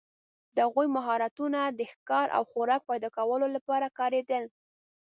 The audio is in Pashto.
د هغوی مهارتونه د ښکار او خوراک پیداکولو لپاره کارېدل.